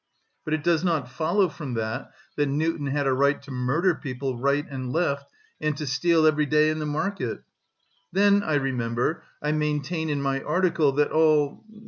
But it does not follow from that that Newton had a right to murder people right and left and to steal every day in the market. Then, I remember, I maintain in my article that all...